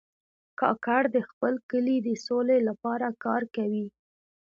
کاکړ د خپل کلي د سولې لپاره کار کوي.